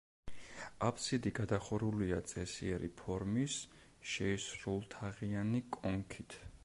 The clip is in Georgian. აფსიდი გადახურულია წესიერი ფორმის, შეისრულთაღიანი კონქით.